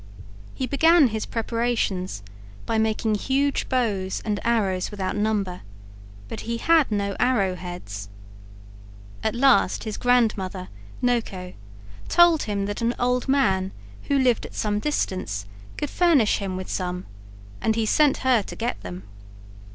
He began his preparations by making huge bows and arrows without number, but he had no arrow heads. At last his grandmother, Noko, told him that an old man who lived at some distance could furnish him with some, and he sent her to get them.